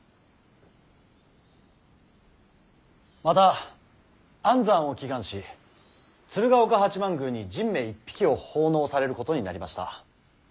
また安産を祈願し鶴岡八幡宮に神馬一匹を奉納されることになりました。